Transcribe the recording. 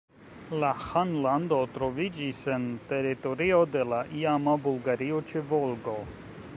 La ĥanlando troviĝis en teritorio de la iama Bulgario ĉe Volgo.